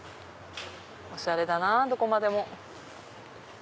おしゃれだなぁどこまでも。